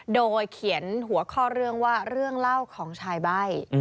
โดยเขียนหัวข้อเรื่องว่าเรื่องเล่าของชายใบ้